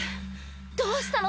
どうしたの？